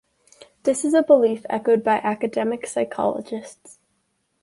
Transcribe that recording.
This is a belief echoed by academic psychologists.